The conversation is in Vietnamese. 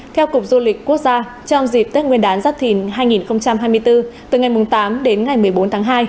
theo cục du lịch quốc gia trong dịp tết nguyên đán giáp thìn hai nghìn hai mươi bốn từ ngày tám đến ngày một mươi bốn tháng hai